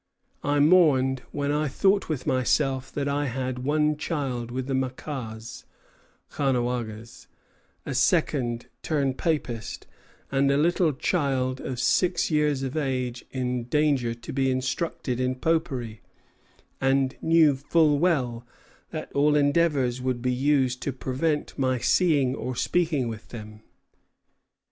I mourned when I thought with myself that I had one child with the Maquas [Caughnawagas], a second turned papist, and a little child of six years of age in danger to be instructed in popery, and knew full well that all endeavors would be used to prevent my seeing or speaking with them."